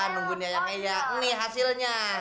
nungguin dia yang iya nih hasilnya